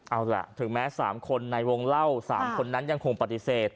เอาล่ะถึงแม้๓คนในวงเล่า๓คนนั้นยังคงปฏิเสธ